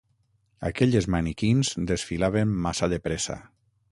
Aquelles maniquins desfilaven massa de pressa.